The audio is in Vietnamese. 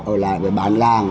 ở lại với bàn làng